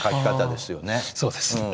そうですね。